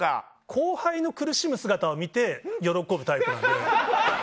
後輩の苦しむ姿を見て喜ぶタイプなんで。